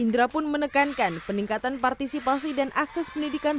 indra pun menekankan peningkatan partisipasi dan akses pendidikan